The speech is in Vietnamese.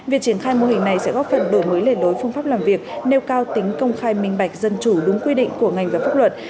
việc triển khai mô hình này sẽ góp phần đổi mới lề đối phương pháp làm việc nêu cao tính công khai minh bạch dân chủ đúng quy định của ngành và pháp luật